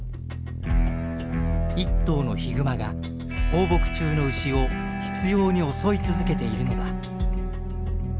一頭のヒグマが放牧中の牛を執ように襲い続けているのだ。